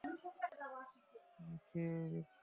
কে এই ব্যক্তি?